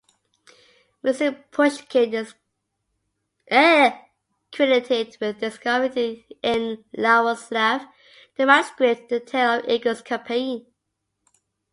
Musin-Pushkin is credited with discovering in Yaroslavl the manuscript "The Tale of Igor's Campaign".